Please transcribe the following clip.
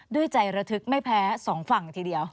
ด้วยใจระทึกไม่แพ้สองฝั่งทีเดียว